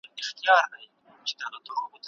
د زياتو فقهاوو په نزد ئې د تبرع تصرف هم روا دی.